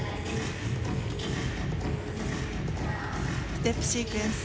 ステップシークエンス。